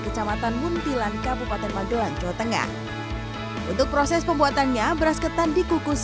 kecamatan muntilan kabupaten magelang jawa tengah untuk proses pembuatannya beras ketan dikukus